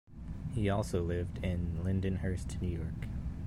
He also lived in Lindenhurst, New York.